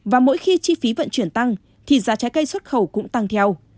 và mỗi khi chi phí vận chuyển tăng thì giá trái cây xuất khẩu cũng tăng theo